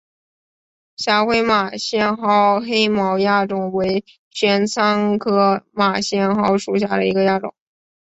狭盔马先蒿黑毛亚种为玄参科马先蒿属下的一个亚种。